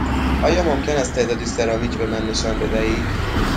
آیا ممکن است تعدادی سرامیک به من نشان بدهید؟